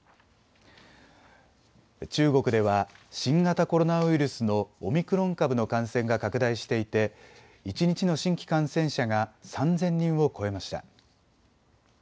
中国では新型コロナウイルスのオミクロン株の感染が拡大していて一日の新規感染者が３０００人を超えました。